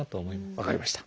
分かりました。